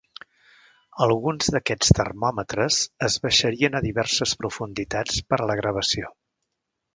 Alguns d"aquests termòmetres es baixarien a diverses profunditats per a la gravació.